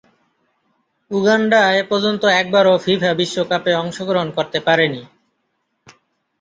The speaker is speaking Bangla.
উগান্ডা এপর্যন্ত একবারও ফিফা বিশ্বকাপে অংশগ্রহণ করতে পারেনি।